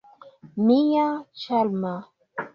Mia ĉarma!